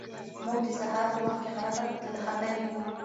موږ د سهار په وخت کې غره ته ختلي وو.